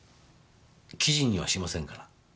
記事にはしませんから。